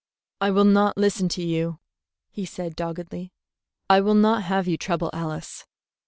"I will not listen to you," he said doggedly. "I will not have you trouble Alice.